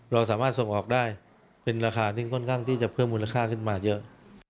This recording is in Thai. เราสามารถส่งออกได้เป็นราคาที่ค่อนข้างที่จะเพิ่มมูลค่าขึ้นมาเยอะ